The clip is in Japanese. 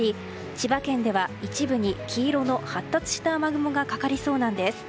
千葉県では一部に黄色の発達した雨雲がかかりそうです。